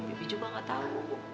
bibi juga gak tau